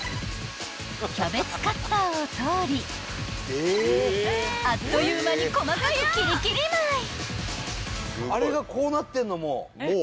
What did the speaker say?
［キャベツカッターを通りあっという間に細かくきりきり舞い］